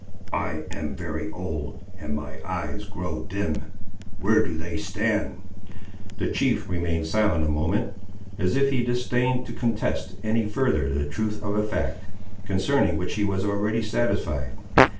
"I am very old, and my eyes grow dim. Where do they stand?" The chief remained silent a moment, as if he disdained to contest any further the truth of a fact, concerning which he was already satisfied.